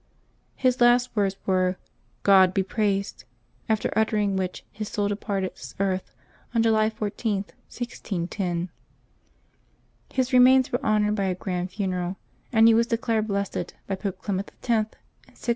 His last words were, " God be praised !" after uttering which his soul departed this earth on July 14, 1610. His remains were honored by a grand funeral, and he was de clared Blessed by Pope Clement X.